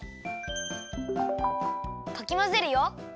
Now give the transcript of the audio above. かきまぜるよ。